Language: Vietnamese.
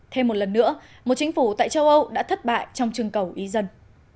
thêm một lần nữa một chính phủ tại châu âu đã thất bại trong chưng cầu ý dân